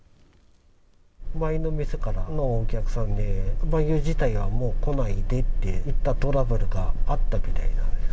前の店からのお客さんで、まゆ自体が、もう来ないでっていったトラブルがあったみたいなんです。